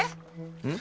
うん？